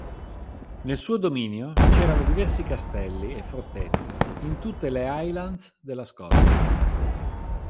Nel suo dominio c'erano diversi castelli e fortezze in tutte le Highlands della Scozia.